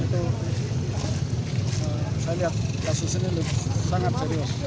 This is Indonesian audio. kasus ini sangat serius